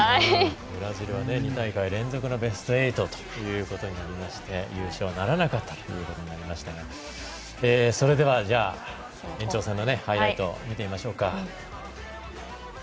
ブラジルは２大会連続のベスト８ということで優勝はならなかったということになりましたがそれでは、延長戦のハイライトを見てみましょうか。